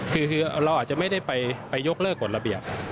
คือเราอาจจะไม่ได้ไปยกเลิกกฎระเบียบ